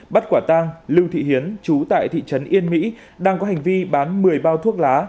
bắt quả tang lưu thị hiến chú tại thị trấn yên mỹ đang có hành vi bán một mươi bao thuốc lá